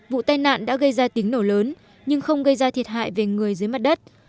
vụ tai nạn đã gây ra tiếng nổ lớn nhưng không gây ra thiệt hại về người dưới mặt đất